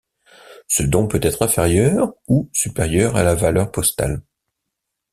Ce don peut être inférieur ou supérieur à la valeur postale.